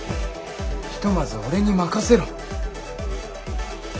ひとまず俺に任せろ。